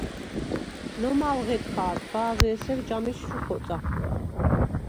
ნომა̄უ̂ ღედ ხა̄რ, ბა̄ზ’ე̄სერ ჯა მიჩ ჩუ ხოწა.